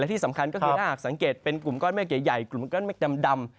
ที่สำคัญก็คือถ้าหากสังเกตเป็นกลุ่มก้อนเมฆใหญ่กลุ่มก้อนเมฆดำ